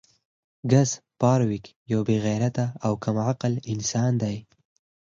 ګس فارویک یو بې غیرته او کم عقل انسان دی